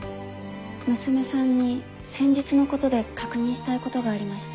娘さんに先日のことで確認したいことがありまして。